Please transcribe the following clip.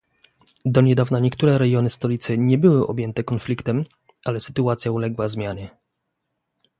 Do niedawna niektóre rejony stolicy nie były objęte konfliktem, ale sytuacja uległa zmianie